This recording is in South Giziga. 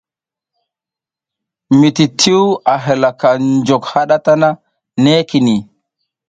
Mititiwo a halaka njok haɗa tana nekini.